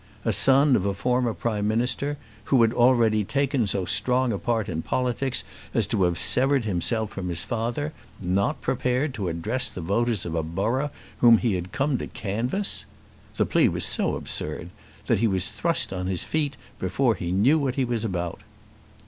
A son of a former Prime Minister who had already taken so strong a part in politics as to have severed himself from his father, not prepared to address the voters of a borough whom he had come to canvass! The plea was so absurd, that he was thrust on to his feet before he knew what he was about.